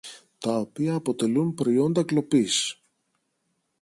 τα οποία αποτελούν προϊόντα κλοπής